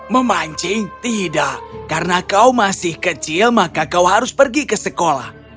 memancing tidak karena kau masih kecil maka kau harus pergi ke sekolah